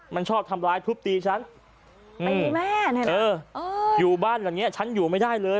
มันชอบทำร้ายทุบตีฉันอยู่บ้านแบบนี้ฉันอยู่ไม่ได้เลย